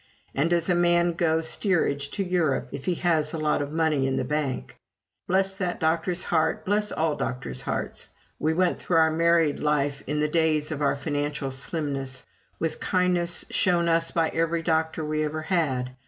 And does a man go steerage to Europe if he has a lot of money in the bank?" Bless that doctor's heart! Bless all doctors' hearts! We went through our married life in the days of our financial slimness, with kindness shown us by every doctor we ever had.